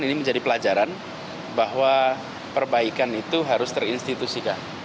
ini menjadi pelajaran bahwa perbaikan itu harus terinstitusikan